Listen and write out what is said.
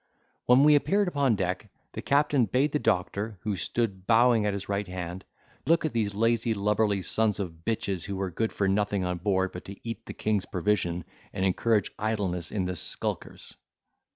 When we appeared upon deck, the captain bade the doctor, who stood bowing at his right hand, look at these lazy lubberly sons of bitches, who were good for nothing on board but to eat the king's provision, and encourage idleness in the skulkers.